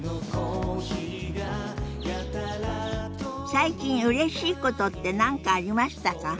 最近うれしいことって何かありましたか？